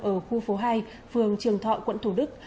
ở khu phố hai phường trường thọ quận thủ đức